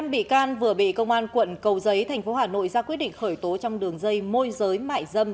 năm bị can vừa bị công an quận cầu giấy thành phố hà nội ra quyết định khởi tố trong đường dây môi giới mại dâm